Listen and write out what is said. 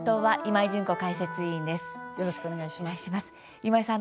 今井さん